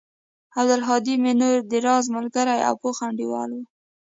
عبدالهادى مې نو د راز ملگرى او پوخ انډيوال و.